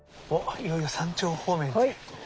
いよいよ山頂方面という。